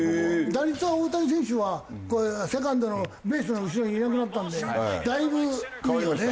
打率は大谷選手はセカンドのベースの後ろにいなくなったんでだいぶいいよね。